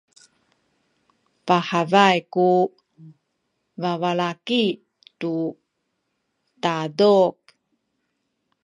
pahabay ku babalaki tu taduk.